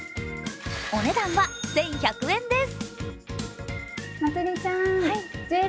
お値段は１１００円です。